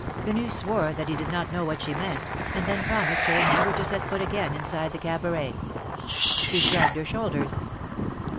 ^^ Quenu swore that he did not know what she meant, and then promised her never to set foot again inside the Cabaret. She shrugged her shoulders.